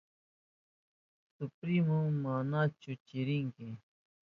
Suprinu, ¿manachu chirinki?